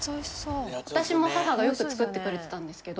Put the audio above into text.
私も母がよく作ってくれてたんですけど。